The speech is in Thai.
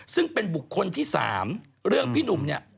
ซึ่งเป็นบุคคลที่๓เรื่องพี่หนุ่มเนี่ย